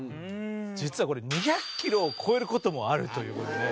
実はこれ２００ｋｍを超えることもあるということで。